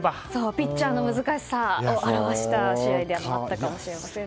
ピッチャーの難しさを表した試合でもあったかもしれませんね。